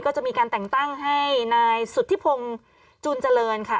ก็จะมีการแต่งตั้งให้นายสุธิพงศ์จูนเจริญค่ะ